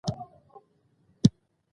که ليکنه سمه وي لوستل اسانه وي.